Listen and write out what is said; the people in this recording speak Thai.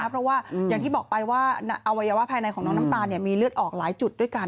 เพราะว่าอย่างที่บอกไปว่าอวัยวะภายในของน้องน้ำตาลมีเลือดออกหลายจุดด้วยกัน